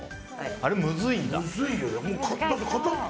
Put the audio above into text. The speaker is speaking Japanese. あれむずいんだ。